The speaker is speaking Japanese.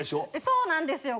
そうなんですよ。